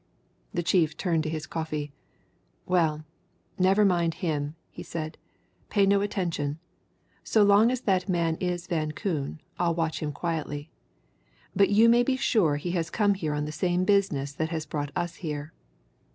The chief turned to his coffee. "Well never mind him," he said. "Pay no attention so long as that man is Van Koon, I'll watch him quietly. But you may be sure he has come here on the same business that has brought us here.